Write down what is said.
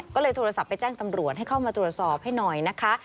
ก็เลยโทรศัพท์ไปแจ้งตำรวจให้เข้ามาตรวจสอบให้หน่อยนะคะ